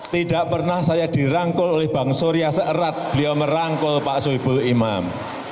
tidak pernah saya dirangkul oleh bang surya seerat beliau merangkul pak soebul imam